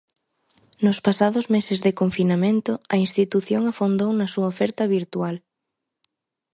Nos pasados meses de confinamento, a institución afondou na súa oferta virtual.